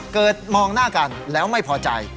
เกิดมองหน้ากันแล้วไม่พอใจ